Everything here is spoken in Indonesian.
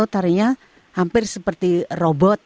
tadinya hampir seperti robot